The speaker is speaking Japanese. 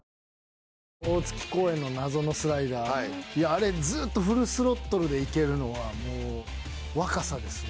あれずっとフルスロットルで行けるのはもう若さですね。